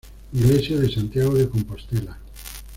Iglesia de Santiago de Compostela".